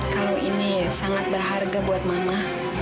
kalau ini sangat berharga buat mama